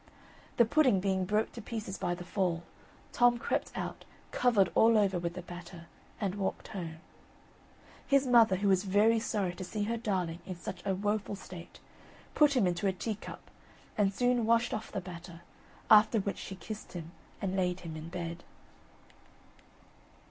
The pudding being broke to pieces by the fall, Tom crept out covered all over with the batter, and walked home. His mother, who was very sorry to see her darling in such a woeful state, put him into a teacup, and soon washed off the batter; after which she kissed him, and laid him in bed.